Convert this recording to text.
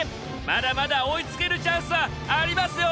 まだまだ追いつけるチャンスはありますよ！